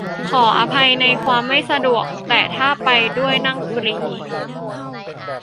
ขออภัยในความไม่สะดวก แต่ถ้าไปด้วยนั่งฟรี